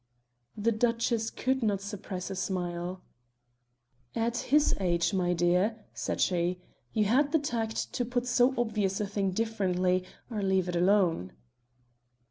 The Duchess could not suppress a smile. "At his age, my dear," said she, "you had the tact to put so obvious a thing differently or leave it alone."